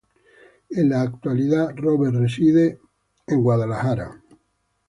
En la actualidad, Robert reside en San Francisco.